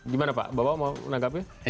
gimana pak bapak mau menanggapi